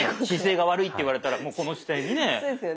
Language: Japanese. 姿勢が悪いって言われたらもうこの姿勢にね。